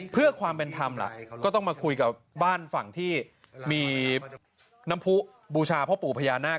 เพื่อความเป็นธรรมล่ะก็ต้องมาคุยกับบ้านฝั่งที่มีน้ำผู้บูชาพ่อปู่พญานาค